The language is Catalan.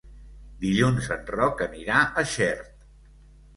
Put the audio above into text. Dilluns en Roc anirà a Xert.